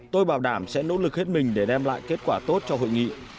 tôi bảo đảm sẽ nỗ lực hết mình để đem lại kết quả tốt cho hội nghị